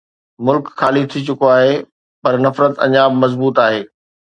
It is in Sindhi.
ملڪ خالي ٿي چڪو آهي، پر نفرت اڃا به مضبوط آهي.